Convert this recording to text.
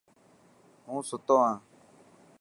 هون ستوهان.